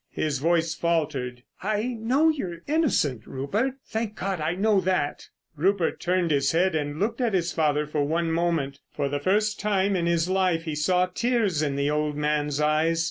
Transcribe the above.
His voice faltered. "I know you're innocent, Rupert, thank God, I know that." Rupert turned his head and looked at his father for one moment. For the first time in his life he saw tears in the old man's eyes.